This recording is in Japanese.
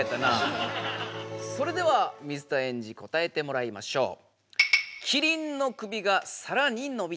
それでは水田エンジ答えてもらいましょう！